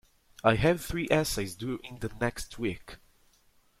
I have three essays due in the next week.